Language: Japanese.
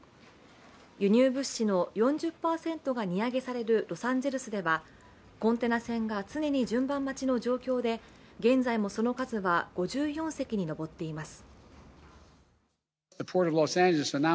輸入物資の４０％が荷揚げされるロサンゼルスではコンテナ船が常に順番待ちの状況で現在もその数は５４隻に上っています。